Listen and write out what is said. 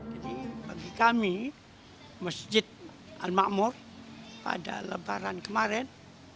jadi bagi kami masjid al ma'mur pada lebaran kemarin